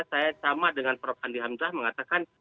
saya sama dengan prof andi hamzah mengatakan